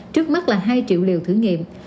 trước mắt là hai triệu liều thử nghiệm